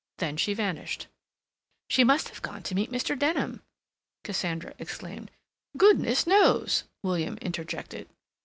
Then she vanished. "She must have gone to meet Mr. Denham," Cassandra exclaimed. "Goodness knows!" William interjected.